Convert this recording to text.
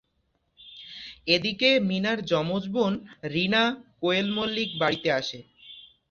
এদিকে মিনার যমজ বোন, রিনা কোয়েল মল্লিক বাড়িতে আসে।